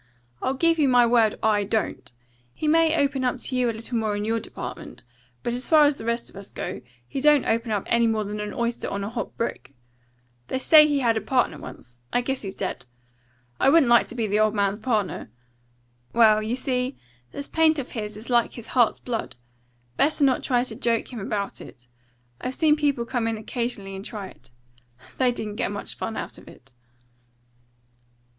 I'll give you my word I don't. He may open up to you a little more in your department, but, as far as the rest of us go, he don't open up any more than an oyster on a hot brick. They say he had a partner once; I guess he's dead. I wouldn't like to be the old man's partner. Well, you see, this paint of his is like his heart's blood. Better not try to joke him about it. I've seen people come in occasionally and try it. They didn't get much fun out of it."